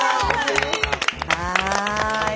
はい。